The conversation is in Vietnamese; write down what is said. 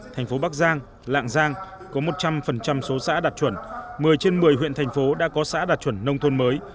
thành phố bắc giang lạng giang có một trăm linh số xã đạt chuẩn một mươi trên một mươi huyện thành phố đã có xã đạt chuẩn nông thôn mới